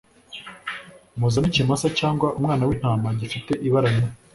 muzane ikimasa cyangwa umwana w'intama gifite ibara rimwe